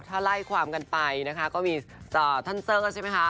ถ้าไล่ความกันไปนะคะก็มีท่านเซอร์ใช่ไหมคะ